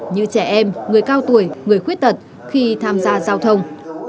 như trẻ em người cao tuổi người khuyết tật khi tham gia giao thông